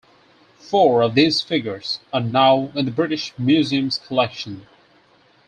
Four of these figures are now in the British Museum's collection.